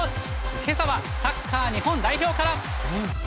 けさはサッカー日本代表から。